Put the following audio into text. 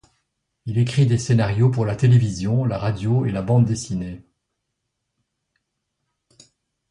Il a écrit des scénarios pour la télévision, la radio et la bande dessinée.